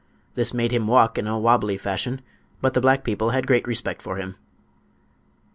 This made him walk in a wabbly fashion, but the black people had great respect for him.